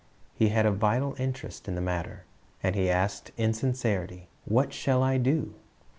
He had a vital interest in the matter, and he asked in sincerity, "What shall I do?"